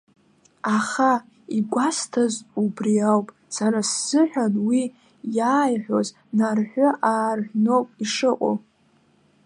Аха, игәасҭаз убри ауп, сара сзыҳәан уи иааиҳәаз нарҳәы-аарҳәноуп ишыҟоу.